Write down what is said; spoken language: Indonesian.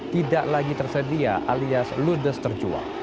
tidak lagi tersedia alias ludes terjual